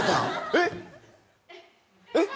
えっ？えっ？